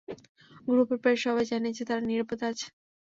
গ্রুপের প্রায় সবাই জানিয়েছে তারা নিরাপদে আছে।